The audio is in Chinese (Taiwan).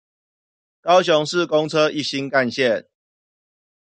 高雄市公車一心幹線